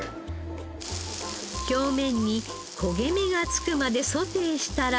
表面に焦げ目が付くまでソテーしたら。